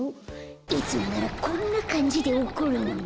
いつもならこんなかんじで怒るのに。